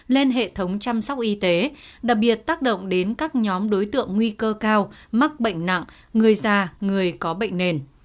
lên hệ thống chăm sóc y tế đặc biệt tác động đến các nhóm đối tượng nguy cơ cao mắc bệnh nặng người già người có bệnh nền